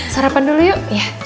sarapan dulu yuk